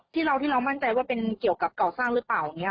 ที่เราที่เรามั่นใจว่าเป็นเกี่ยวกับก่อสร้างหรือเปล่าอย่างนี้